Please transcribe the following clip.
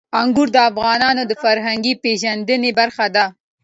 انګور د افغانانو د فرهنګي پیژندنې برخه ده.